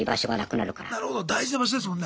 なるほど大事な場所ですもんね。